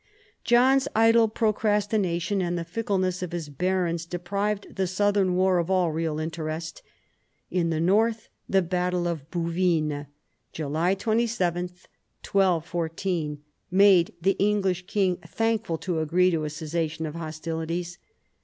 86 PHILIP AUGUSTUS chap. John's idle procrastination and the fickleness of his barons deprived the southern war of all real interest. In the north the battle of Bouvines, July 27, 1214, made the English King thankful to agree to a cessation of hostilities.